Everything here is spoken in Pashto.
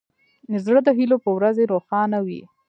زړه د هیلو په ورځې روښانه وي.